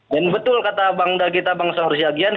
dan betul kata bang dagita bang sahur sjagian